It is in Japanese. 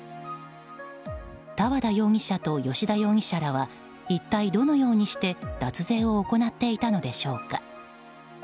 多和田容疑者と吉田容疑者らは一体どのようにして脱税を行っていたのでしょうか。